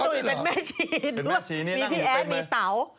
อาตุ๋ยเป็นแม่ชี้ด้วยมีพี่แอดมีเต๋า